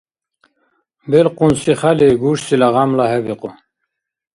Белкъунси хяли гушсила гъямла хӀебикьу.